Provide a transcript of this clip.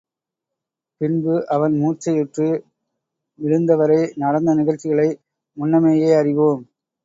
பின்பு அவன் மூர்ச்சையுற்று விழுந்ததுவரை நடந்த நிகழ்ச்சிகளை முன்னமேயே அறிவோம்.